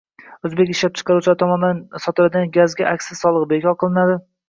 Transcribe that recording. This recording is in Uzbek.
O‘zbekistonda ishlab chiqaruvchilar tomonidan sotiladigan gazga aksiz solig‘i bekor qilinadi